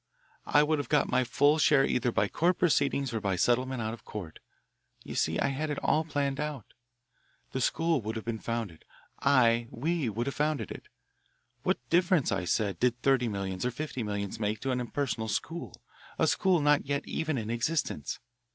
I would have got my full share either by court proceedings or by settlement out of court. You see, I had planned it all out. The school would have been founded I, we would have founded it. What difference, I said, did thirty millions or fifty millions make to an impersonal school, a school not yet even in existence?